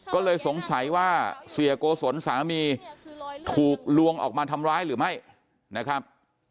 ก็เลยสงสัยว่าเสียโกศลสามีถูกลวงออกมาทำร้ายหรือไม่นะครับ